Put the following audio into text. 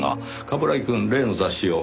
冠城くん例の雑誌を。